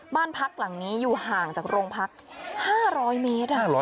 บ้านพักหลังนี้อยู่ห่างจากโรงพัก๕๐๐เมตร